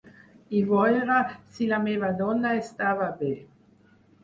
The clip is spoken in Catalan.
...i veure si la meva dona estava bé